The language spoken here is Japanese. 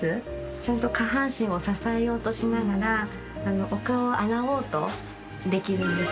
ちゃんと下半身を支えようとしながらお顔を洗おうとできるんです。